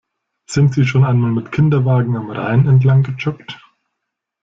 Sind Sie schon einmal mit Kinderwagen am Rhein entlang gejoggt?